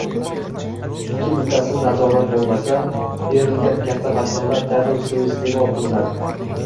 Chunki muttasil nazorat bo‘lmasa, berilgan katta vakolat darrov suiisteʼmol qilinadi